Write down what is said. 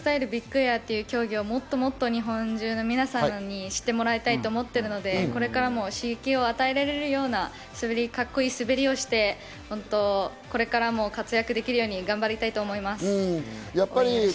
スロープスタイル、ビッグエアというのをもっともっと日本中の皆様に知ってもらいたいと思ってるので、これからも刺激を与えられるようなカッコいい滑りをして、これからも活躍できるように頑張りたいと思います。